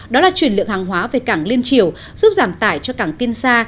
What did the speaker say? đó là chuyển lượng hàng hóa về cảng liên triều giúp giảm tải cho cảng tiên sa